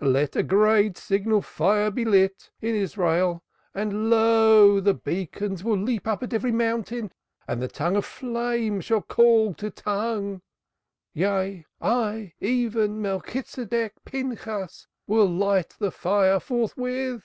Let a great signal fire be lit in Israel and lo! the beacons will leap up on every mountain and tongue of flame shall call to tongue. Yea, I, even I, Melchitsedek Pinchas, will light the fire forthwith."